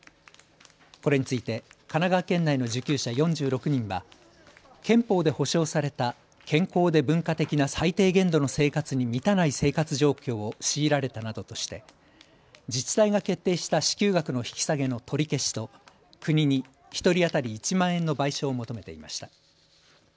これについて神奈川県内の受給者４６人は憲法で保障された健康で文化的な最低限度の生活に満たない生活状況を強いられたなどとして自治体が決定した支給額の引き下げの取り消しと国に１人当たり１万円の賠償を求めていました。